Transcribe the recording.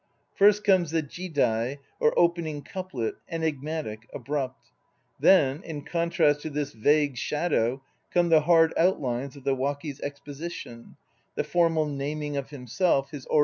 First comes the jidai or opening couplet, enigmatic, abrupt. Then in contrast to this vague shadow come the hard outlines of the waki's exposition, the formal naming of himself, his origin and destination.